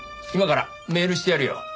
今からメールしてやるよ。